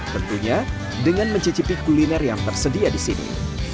tentunya dengan mencicipi kuliner yang tersedia disini